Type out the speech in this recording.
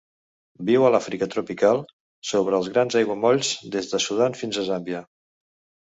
Viu a l'Àfrica tropical, sobre els grans aiguamolls des de Sudan fins a Zàmbia.